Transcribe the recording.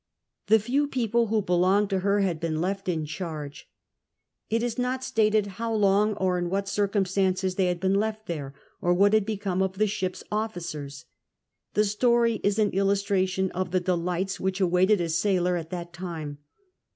The few people who belonged to her had been left in charge. It is not stated how long, or in what circumstances they had been left there, oi wh&t had hecomc oi the ship's o&cers. The story is an illmtmtion of the delights which awaited a sailor at that tunc.